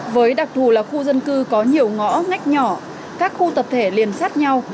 với đặc thù là khu dân cư có nhiều ngõ ngách nhỏ các khu tập thể liền sát nhau